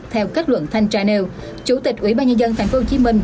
theo kết luận thanh tra nêu chủ tịch ủy ban nhân dân tp hcm